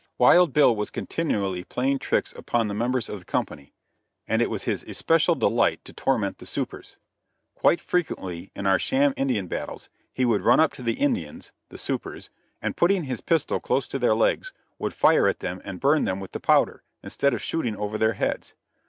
Wild Bill was continually playing tricks upon the members of the company, and it was his especial delight to torment the "supers." Quite frequently in our sham Indian battles he would run up to the "Indians" (the supers), and putting his pistol close to their legs, would fire at them and burn them with the powder, instead of shooting over their heads.